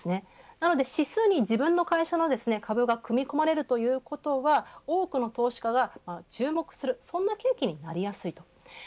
なので指数に自分の会社の株が組み込まれるということは多くの投資家が注目するそんな契機になりやすい。